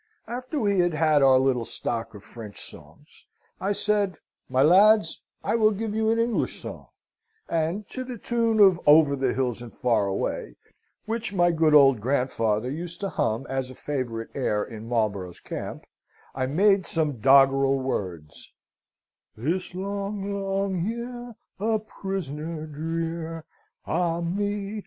After we had had our little stock of French songs, I said, 'My lads, I will give you an English song,' and to the tune of 'Over the hills and far away,' which my good old grandfather used to hum as a favourite air in Marlborough's camp, I made some doggerel words: 'This long, long year, a prisoner drear; Ah, me!